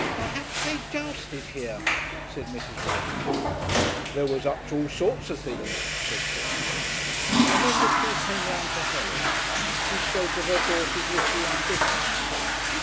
"Perhaps they jousted here," said Mrs. Walshingham. "They was up to all sorts of things," said Kipps, and then the two came round to Helen. She spoke of her daughter's literary ambitions.